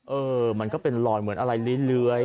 เออมันก็เป็นรอยเหมือนอะไรเลื้อย